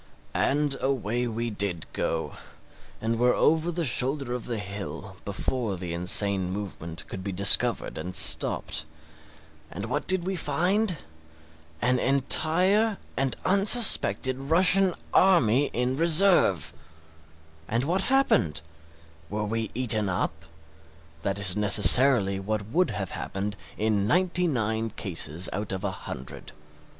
And away we did go, and were over the shoulder of the hill before the insane movement could be discovered and stopped. And what did we find? An entire and unsuspected Russian army in reserve! And what happened? We were eaten up? That is necessarily what would have happened in ninety nine cases out of a hundred.